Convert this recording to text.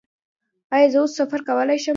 ایا زه اوس سفر کولی شم؟